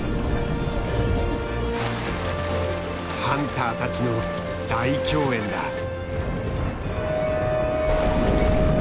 ハンターたちの大供宴だ。